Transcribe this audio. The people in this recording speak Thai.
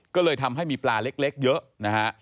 ก็เลยทำให้มีปลาเล็กเยอะนะฮะ